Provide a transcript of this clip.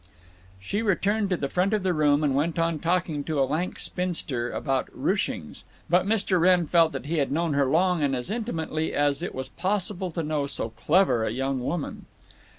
She returned to the front of the room and went on talking to a lank spinster about ruchings, but Mr. Wrenn felt that he had known her long and as intimately as it was possible to know so clever a young woman.